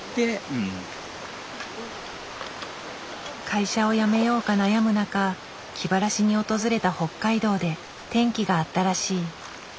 会社を辞めようか悩む中気晴らしに訪れた北海道で転機があったらしい。